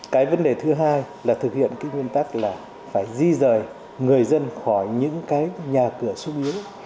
cái vấn đề thứ hai là thực hiện cái nguyên tắc là phải di rời người dân khỏi những cái nhà cửa xúc yếu